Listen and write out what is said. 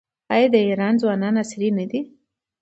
آیا د ایران ځوانان عصري نه دي؟